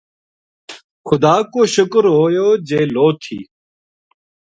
خدا کو شکر ہویو جے لو تھی